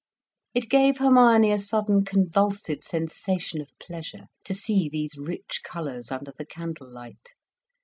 It gave Hermione a sudden convulsive sensation of pleasure, to see these rich colours under the candle light.